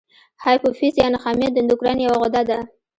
هایپوفیز یا نخامیه د اندوکراین یوه غده ده.